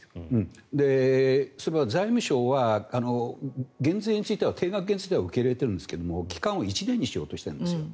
それは財務省は減税については定額については受け入れているんですけど期間を１年にしようとしているんです。